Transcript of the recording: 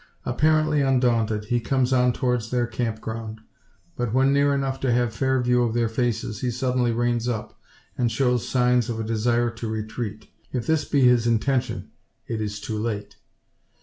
Apparently undaunted, he comes on towards their camp ground; but when near enough to have fair view of their faces, he suddenly reins up, and shows signs of a desire to retreat. If this be his intention, it is too late.